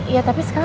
iya tapi sekarang